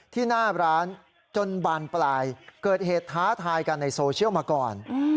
ที่หน้าร้านจนบานปลายเกิดเหตุท้าทายกันในโซเชียลมาก่อน